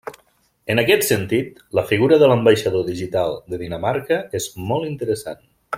En aquest sentit, la figura de l'ambaixador digital de Dinamarca és molt interessant.